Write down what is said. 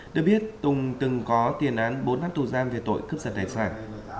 được biết tùng từng có tiền án bốn năm tù giam về tội cướp giật tài sản